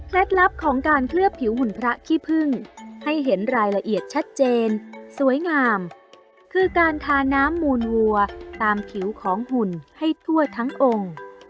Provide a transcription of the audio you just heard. ลับของการเคลือบผิวหุ่นพระขี้พึ่งให้เห็นรายละเอียดชัดเจนสวยงามคือการทาน้ำมูลวัวตามผิวของหุ่นให้ทั่วทั้งองค์